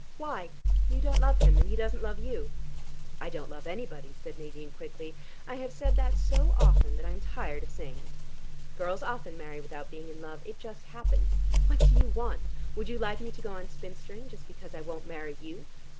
"Why? You don't love him. And he doesn't love you." "I don't love anybody," said Nadine quickly. "I have said that so often that I am tired of saying it. Girls often marry without being in love. It just happens. What do you want? Would you like me to go on spinstering just because I won't marry you?